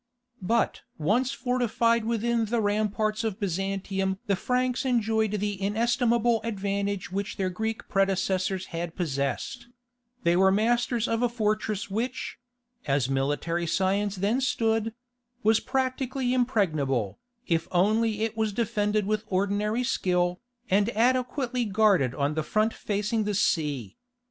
But once fortified within the ramparts of Byzantium the Franks enjoyed the inestimable advantage which their Greek predecessors had possessed: they were masters of a fortress which—as military science then stood—was practically impregnable, if only it was defended with ordinary skill, and adequately guarded on the front facing the sea.